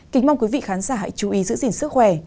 kính mong quý vị khán giả hãy chú ý giữ gìn sức khỏe